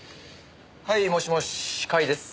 はいもしもし甲斐です。